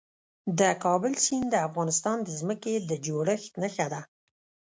د کابل سیند د افغانستان د ځمکې د جوړښت نښه ده.